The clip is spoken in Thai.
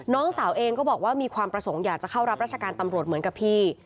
น้องสาวเองก็บอกว่ามีความประสงค์อยากจะเข้ารับราชการตำรวจเหมือนกับพี่